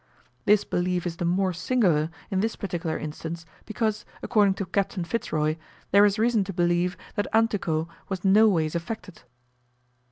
This belief is the more singular in this particular instance, because, according to Captain Fitz Roy, there is reason to believe that Antuco was noways affected.